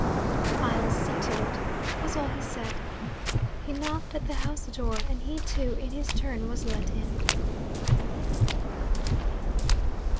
'I'll see to it,' was all he said. He knocked at the house door; and he too, in his turn, was let in.